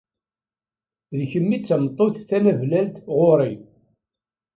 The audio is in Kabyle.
D kemm i d tameṭṭut tanablalt ɣur-i.